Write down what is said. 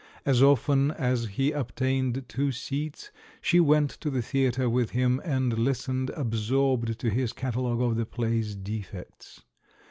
As often as he obtained two seats, she went to the theatre with him, and listened absorbed to his catalogue of the play's defects.